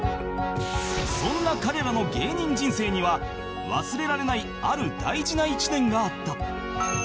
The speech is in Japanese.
そんな彼らの芸人人生には忘れられないある大事な１年があった